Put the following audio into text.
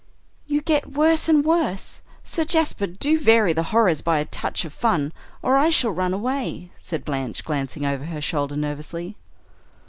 "You get worse and worse. Sir Jasper, do vary the horrors by a touch of fun, or I shall run away," said Blanche, glancing over her shoulder nervously.